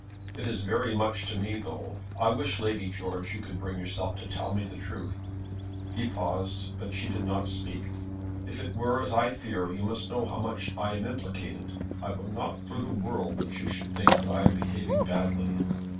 "It is very much to me, though. I wish, Lady George, you could bring yourself to tell me the truth." He paused, but she did not speak. "If it were as I fear, you must know how much I am implicated. I would not for the world that you should think I am behaving badly."